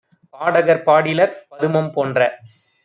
பாடகர் பாடிலர்! பதுமம் போன்ற